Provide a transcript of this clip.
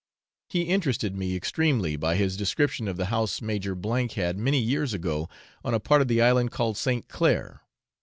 He interested me extremely by his description of the house Major had many years ago on a part of the island called St. Clair.